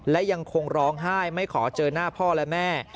และยังคงร้องไห้ไม่ขอเจอหน้าพ่อและแม่